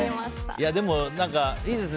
でも、いいですね。